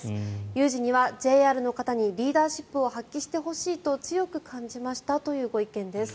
有事にはＪＲの方にリーダーシップを発揮してほしいと強く感じましたというご意見です。